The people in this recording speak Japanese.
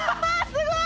すごい。